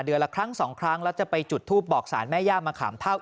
ละครั้งสองครั้งแล้วจะไปจุดทูปบอกสารแม่ย่ามะขามเท่า